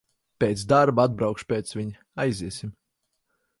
Pēc darba atbraukšu pēc viņa, aiziesim.